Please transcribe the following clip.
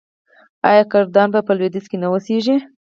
آیا کردان په لویدیځ کې نه اوسیږي؟